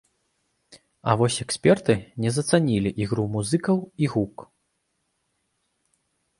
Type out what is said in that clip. А вось эксперты не зацанілі ігру музыкаў і гук.